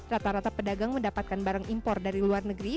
rata rata pedagang mendapatkan barang impor dari luar negeri